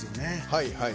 はいはい。